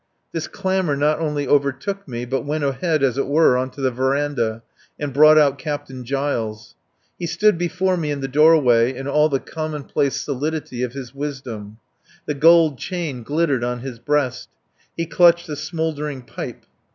This clamour not only overtook me, but went ahead as it were on to the verandah and brought out Captain Giles. He stood before me in the doorway in all the commonplace solidity of his wisdom. The gold chain glittered on his breast. He clutched a smouldering pipe.